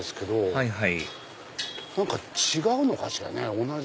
はいはい何か違うのかしらね？